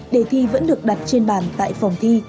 đề thi vẫn được đặt trên bàn tại phòng thi